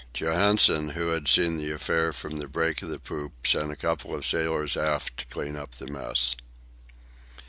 Johansen, who had seen the affair from the break of the poop, sent a couple of sailors aft to clean up the mess.